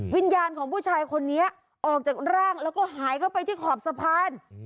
วิญญาณของผู้ชายคนนี้ออกจากร่างแล้วก็หายเข้าไปที่ขอบสะพาน